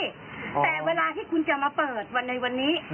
แต่เวลาที่คุณจะมาเปิดวันในวันนี้